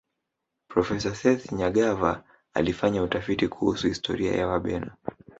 profesa sethi nyagava alifanya utafiti kuhusu historia ya wabena